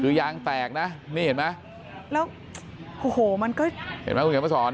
คือยางแตกนะนี่เห็นไหมแล้วโอ้โหมันก็เห็นไหมคุณเขียนมาสอน